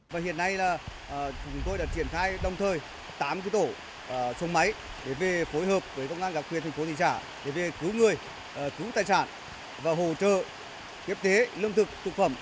và hiện nay là chúng tôi đã triển khai đồng thời tám cái tổ sông máy để phối hợp với công an gặp quyền thành phố thị trả để cứu người cứu tài sản và hỗ trợ kiếp thế lương thực thực phẩm